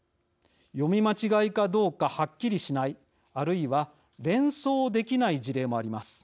読み間違いかどうかはっきりしない、あるいは連想できない事例もあります。